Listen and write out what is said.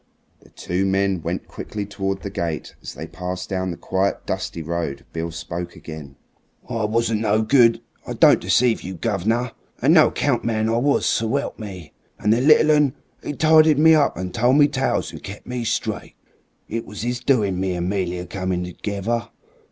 The two men went quickly towards the gate. As they passed down the quiet, dusty road Beale spoke again. "I wasn't no good I don't deceive you, guv'ner a no account man I was, swelp me! And the little 'un, 'e tidied me up and told me tales and kep' me straight. It was 'is doing me and 'Melia come together.